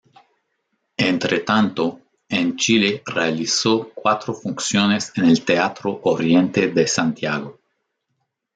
Entre tanto, en Chile realizó cuatro funciones en el Teatro Oriente de Santiago.